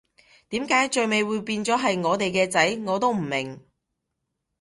點解最尾會變咗係我哋嘅仔，我都唔明